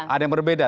ada yang berbeda